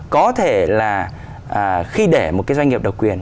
có thể là khi để một cái doanh nghiệp độc quyền